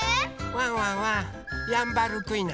ワンワンはヤンバルクイナ。